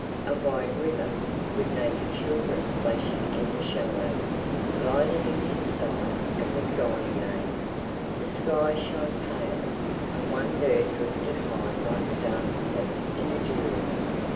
A wide river, with naked children splashing in the shallows, glided into sight and was gone again. The sky shone pale, and one bird drifted high like a dark fleck in a jewel.